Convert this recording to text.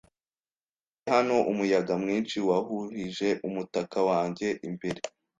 Ngiye hano, umuyaga mwinshi wahuhije umutaka wanjye imbere.